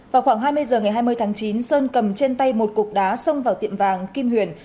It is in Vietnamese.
vào khoảng hai mươi h ngày hai mươi tháng chín sơn cầm trên tay một cục đá xông vào tiệm vàng kim huyền